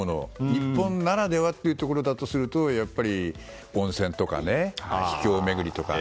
日本ならではというところだとするとやっぱり温泉とか秘境巡りとか。